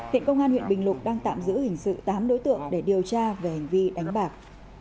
hiện công an huyện bình lục đang tạm giữ hình sự tám đối tượng để điều tra về hành vi đánh bạc